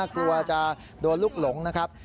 กลัวจะโดนลูกหลงนะครับ